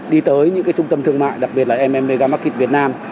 đi tới những trung tâm thương mại đặc biệt là m m market việt nam